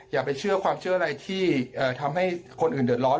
อย่าไปเชื่อความเชื่ออะไรที่ทำให้คนอื่นเดือดร้อน